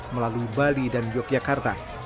melalui bali dan yogyakarta